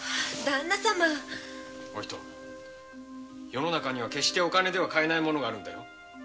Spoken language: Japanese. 世の中には決してお金では買えないものがあるんだよ。